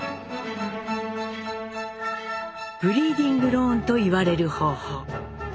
「ブリーディングローン」といわれる方法。